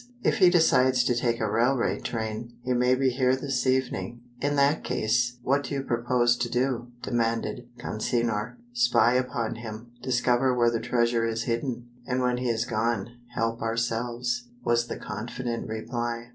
If he decides to take a railway train, he may be here this evening." "In that case, what do you propose to do?" demanded Consinor. "Spy upon him; discover where the treasure is hidden, and when he is gone, help ourselves," was the confident reply.